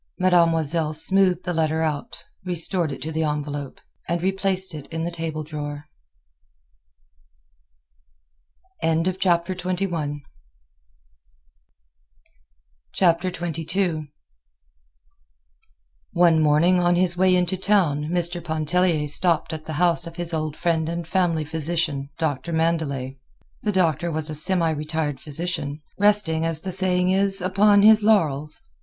Mademoiselle smoothed the letter out, restored it to the envelope, and replaced it in the table drawer. XXII One morning on his way into town Mr. Pontellier stopped at the house of his old friend and family physician, Doctor Mandelet. The Doctor was a semi retired physician, resting, as the saying is, upon his laurels.